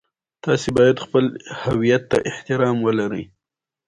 په فېسبوک کې خلک خپل کاروبارونه هم پرمخ وړي